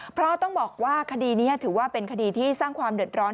เพราะต้องบอกว่าคดีนี้ถือว่าเป็นคดีที่สร้างความเดือดร้อน